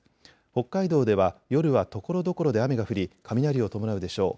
北海道では夜はところどころで雨が降り、雷を伴うでしょう。